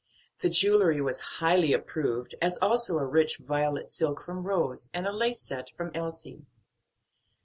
The jewelry was highly approved, as also a rich violet silk from Rose, and a lace set from Elsie.